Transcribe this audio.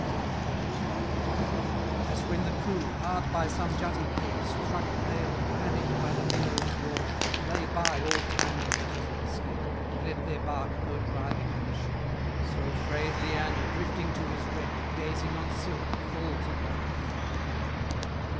XLII. As when the crew, hard by some jutty cape, Struck pale and panick'd by the billow's roar, Lay by all timely measures of escape, And let their bark go driving on the shore; So fray'd Leander, drifting to his wreck, Gazing on Scylla, falls upon her neck.